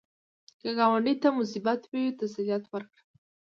که ګاونډي ته مصیبت وي، تسلیت ورکړه